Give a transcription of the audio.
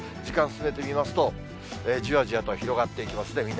時間進めてみますと、じわじわと広がっていきますね。